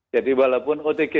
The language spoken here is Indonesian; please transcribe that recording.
jadi walaupun otg